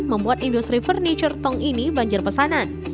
membuat industri furniture tong ini banjir pesanan